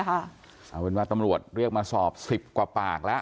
นะคะจริงตำรวจเรียกมาสอบ๑๐กว่าปากแล้ว